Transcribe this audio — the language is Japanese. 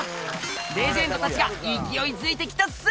レジェンドたちが勢いづいてきたっす！